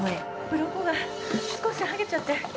うろこが少し剥げちゃって。